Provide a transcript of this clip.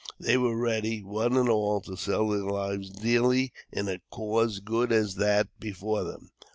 They were ready, one and all, to sell their lives dearly in a cause good as that before them.